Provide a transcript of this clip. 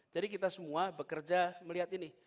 jadi kita semua bekerja melihat ini